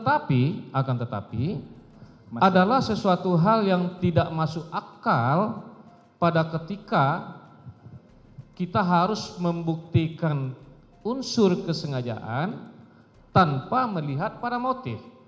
tetapi akan tetapi adalah sesuatu hal yang tidak masuk akal pada ketika kita harus membuktikan unsur kesengajaan tanpa melihat pada motif